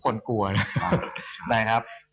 กลัวนะครับ